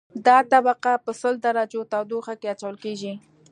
دا طبقه په سل درجو تودوخه کې اچول کیږي